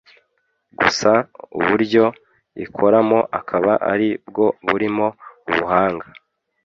gusa uburyo ikoramo akaba ari bwo burimo ubuhanga